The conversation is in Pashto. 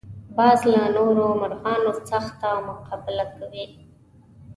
باز له نورو مرغانو سخته مقابله کوي